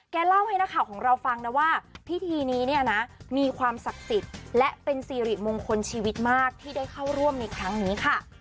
เล่าให้นักข่าวของเราฟังนะว่าพิธีนี้เนี่ยนะมีความศักดิ์สิทธิ์และเป็นสิริมงคลชีวิตมากที่ได้เข้าร่วมในครั้งนี้ค่ะ